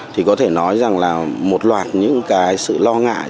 thì có thể nói rằng là một loạt những cái sự lo ngại